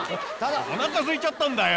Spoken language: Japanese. お腹すいちゃったんだよ！